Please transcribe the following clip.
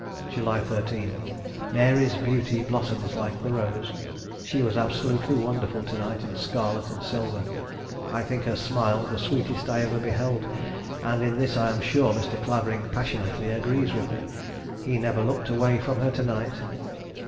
"July 13. Mary's beauty blossoms like the rose. She was absolutely wonderful to night in scarlet and silver. I think her smile the sweetest I ever beheld, and in this I am sure Mr. Clavering passionately agrees with me; he never looked away from her to night.